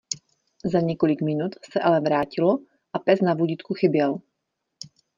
Za několik minut se ale vrátilo a pes na vodítku chyběl.